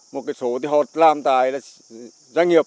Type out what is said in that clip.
một số thì họ làm tài là doanh nghiệp